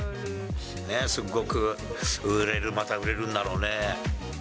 ね、すごく売れる、また売れるんだろうね。